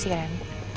kamu sih kan